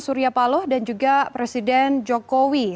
surya paloh dan juga presiden jokowi